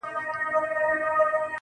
ارام سه څله دي پر زړه کوې باران د اوښکو.